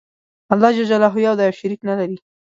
الله ج یو دی او شریک نلری.